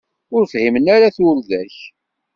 Ur fhimen ara turda-k.